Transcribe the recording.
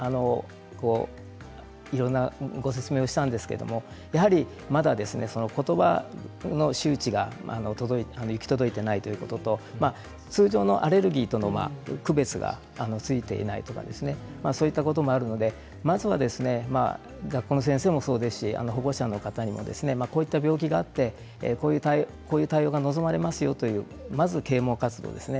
いろんなご説明をしたんですけどやはり、まだ言葉の周知が届かない行き届いていないということと通常のアレルギーとの区別がついていないとかそういったこともありますので学校の先生もそうですし保護者の方にもこういった病気があってこういう対応が望まれますよという啓もう活動ですね